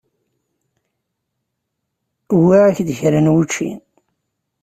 Uwiɣ-ak-d kra n wučči.